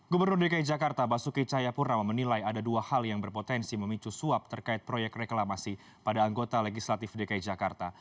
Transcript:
gubernur dki jakarta basuki cahayapurnama menilai ada dua hal yang berpotensi memicu suap terkait proyek reklamasi pada anggota legislatif dki jakarta